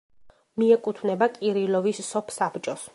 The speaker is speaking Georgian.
მიეკუთვნება კირილოვის სოფსაბჭოს.